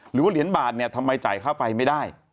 หรือว่าเหรียญบาทเนี่ยทำไมจ่ายค่าไฟไม่ได้